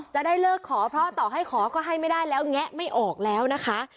จะได้เลิกขอเพราะต่อให้ขอก็ให้ไม่ได้แล้วแงะไม่ออกแล้วนะคะ